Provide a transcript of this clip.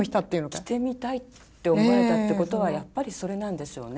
着てみたいって思えたってことはやっぱりそれなんでしょうね。